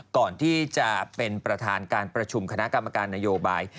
ก่อนที่จะเป็นประธานการประชุมคณะกรรมการนโยบาย